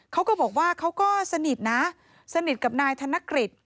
เขาก็บอกว่าเขาก็สนิทนะสนิทกับนายธนกฤษ